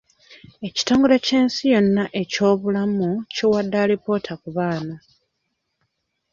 Ekitongele ky'ensi yonna eky'ebyobulamu kiwadde alipoota ku baana.